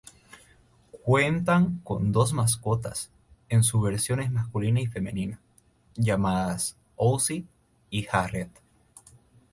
Cuentan con dos mascotas, en sus versiones masculina y femenina, llamadas Ozzie y Harriet.